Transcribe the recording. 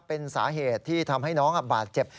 เป็นสาเหตุที่ทำให้น้องบาดเจ็บ